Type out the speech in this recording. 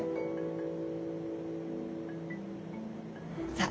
さあ